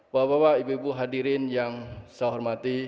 bapak bapak ibu ibu hadirin yang saya hormati